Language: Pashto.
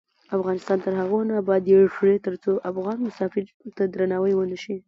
افغانستان تر هغو نه ابادیږي، ترڅو افغان مسافرینو ته درناوی ونشي.